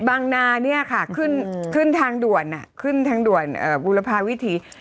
บางนาเนี่ยค่ะขึ้นทางด่วนบุรพาวิถี